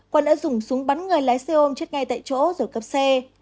quân đã dùng súng bắn người lái xe ôm chết ngay tại chỗ rồi cướp xe